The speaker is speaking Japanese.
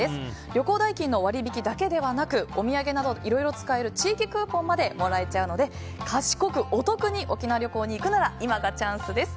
旅行代金の割引だけではなくお土産など、いろいろ使える地域クーポンまでもらえちゃうので賢くお得に沖縄旅行に行くなら今がチャンスです。